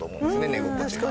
寝心地が。